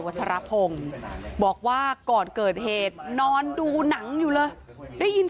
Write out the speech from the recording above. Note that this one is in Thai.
ชรพงศ์บอกว่าก่อนเกิดเหตุนอนดูหนังอยู่เลยได้ยิน